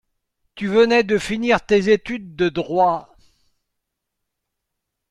Tu venais de finir tes études de droit.